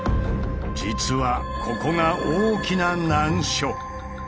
実はここが大きな難所。